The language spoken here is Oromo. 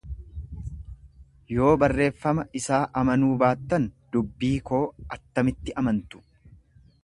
Yoo barreeffama isaa amanuu baattan, dubbii koo attamitti amantu?